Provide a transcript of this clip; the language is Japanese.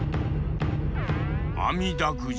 「あみだくじ」